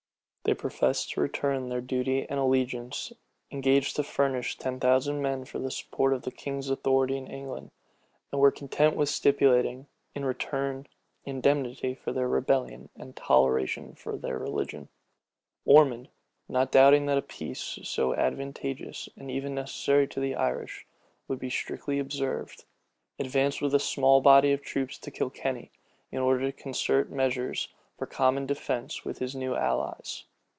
[]* 1643. 1646. They professed to return to their duty and allegiance, engaged to furnish ten thousand men for the support of the king's authority in England, and were content with stipulating, in return, indemnity for their rebellion, and toleration of their religion. Ormond, not doubting but a peace, so advantageous and even necessary to the Irish, would be strictly observed, advanced with a small body of troops to Kilkenny, in order to concert measures for common defence with his new allies.